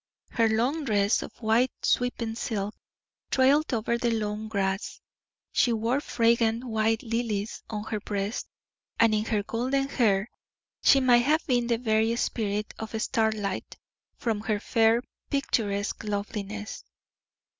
Her long dress of white sweeping silk trailed over the long grass, she wore fragrant white lilies on her breast and in her golden hair; she might have been the very spirit of starlight, from her fair, picturesque loveliness.